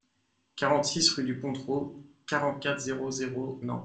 quarante-six rue du Pontereau, quarante-quatre, zéro zéro zéro, Nantes